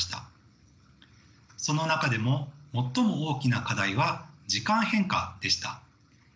その中でも最も大きな課題は時間変化でした。